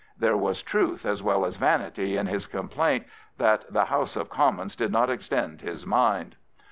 There was truth as well as vanity in his complaint that " the House of Commons did not extend his mind."